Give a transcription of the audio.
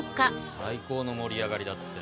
最高の盛り上がりだったよ。